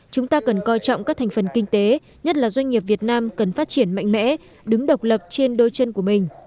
chúng ta cần coi trọng các thành phần kinh tế nhất là doanh nghiệp việt nam cần phát triển mạnh mẽ đứng độc lập trên đôi chân của mình